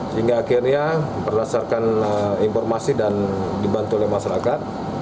sehingga akhirnya berdasarkan informasi dan dibantu oleh masyarakat